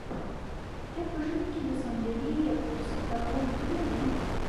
آیا په ژمي کې د ساندلۍ یا کرسۍ کارول دود نه دی؟